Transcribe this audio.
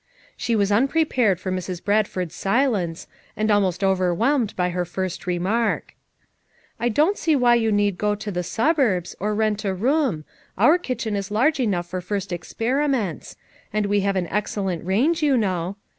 She was unprepared for Mrs. Bradford's si lence, and almost overwhelmed by her first re mark. "I don't see why you need go to the suburbs, or rent a room; our kitchen is large enough for first experiments; and we have an excellent range, you know.